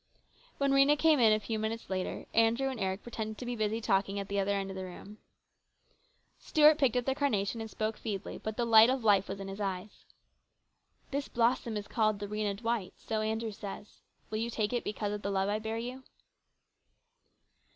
" When Rhena came in a few minutes after, Andrew and Eric pretended to be busy talking at the other end of the room. THE CONFERENCE. 243 Stuart picked up the carnation and spoke feebly, but the light of life was in his eyes. " This blossom is called the Rhena D wight, so Andrew says. Will you take it because of the love I bear you